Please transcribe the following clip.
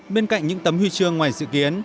bên cạnh những tấm huy chương ngoài sự kiến